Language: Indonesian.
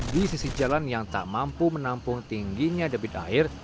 di sisi jalan yang tak mampu menampung tingginya debit air